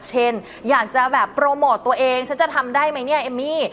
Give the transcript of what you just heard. อยากจะแบบโปรโมทตัวเองฉันจะทำได้ไหมเนี่ยเอมมี่